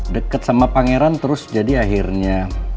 deket sama pangeran terus jadi akhirnya